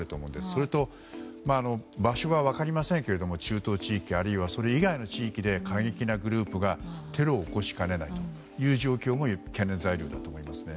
それと、場所は分かりませんけど中東地域あるいはそれ以外の地域で過激なグループがテロを起こしかねない状況も懸念材料だと思いますね。